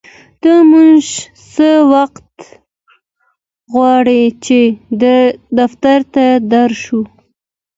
ته مونږ څه وخت غواړې چې دفتر ته در شو